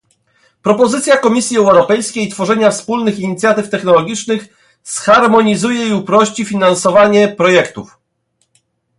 Propozycja Komisji Europejskiej tworzenia wspólnych inicjatyw technologicznych zharmonizuje i uprości finansowanie projektów